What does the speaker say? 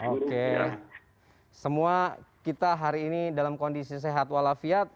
oke semua kita hari ini dalam kondisi sehat walafiat